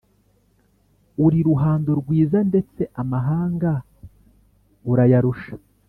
Uri ruhando rwiza ndetse amahanga urayarusha